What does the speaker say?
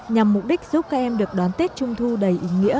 nhằm mục đích giúp các em được đón tết trung thu đầy ý nghĩa